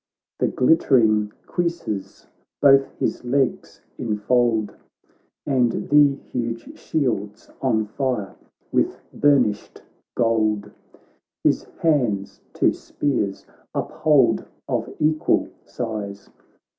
The glitteringcuisses both his legs enfold, And the huge shield's on fire with burnished gold ; His hands two spears uphold of equal size.